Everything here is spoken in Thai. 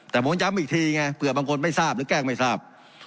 แต่ผมย้ำอีกทีไงเผื่อบางคนไม่ทราบหรือแกล้งไม่ทราบ